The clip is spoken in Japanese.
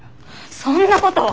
そんなことは。